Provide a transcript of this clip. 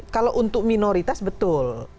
kalau untuk minoritas betul